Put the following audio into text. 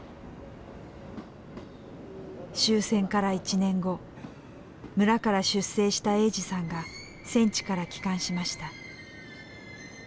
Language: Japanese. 終戦から１年後村から出征した栄司さんが戦地から帰還しました。